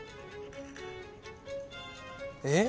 えっ？